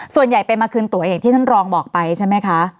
ส่วนใหญ่ไปมาคืนตัวอย่างที่ท่านรองบอกไปใช่ไหมคะ